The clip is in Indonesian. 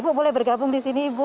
bu boleh bergabung di sini ibu